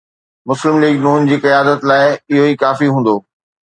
مسلم ليگ ن جي قيادت لاءِ اهو ئي ڪافي هوندو.